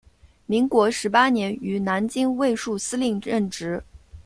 民国十八年于南京卫戍司令任职。